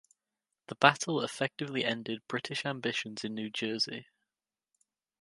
The battle effectively ended British ambitions in New Jersey.